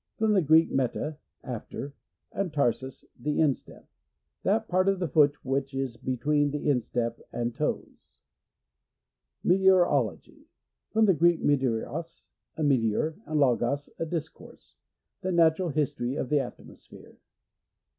— From the Grcck,»iffa, after, and tamos, the instep. That part of the foot which is between the instep and toes. Meteorology. — From the Greek, ineteoros, a meteor, and logot, a discourse. The natural history of the atmosphere.